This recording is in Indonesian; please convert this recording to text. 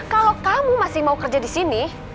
kalau kamu masih mau kerja disini